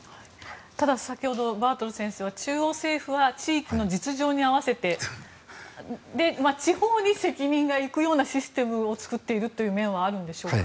ただ、先ほどバートル先生は中央政府は地域の実情に合わせて地方に責任が行くようなシステムを作っているというような面はあるのでしょうか。